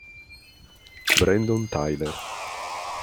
Brandon Tyler